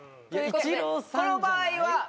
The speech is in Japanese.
この場合は？